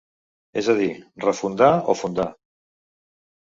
És a dir, refundar o fundar.